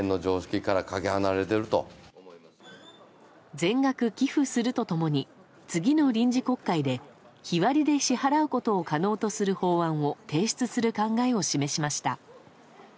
全額寄付すると共に次の臨時国会で日割で支払うことを可能とする法案を提出する考えを示しました。